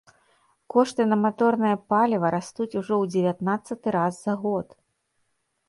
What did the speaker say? Кошты на маторнае паліва растуць ужо ў дзевятнаццаты раз за год.